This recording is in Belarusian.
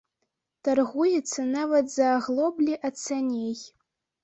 Таргуецца нават за аглоблі ад саней.